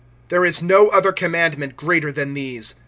There is no other commandment greater than these.